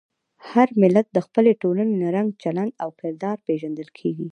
هر ملت د خپلې ټولنې له رنګ، چلند او کردار پېژندل کېږي.